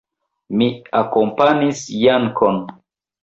Mi akompanis Jankon.